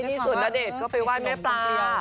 นี่ส่วนณเดชก็ไปว่ายแม่ปลา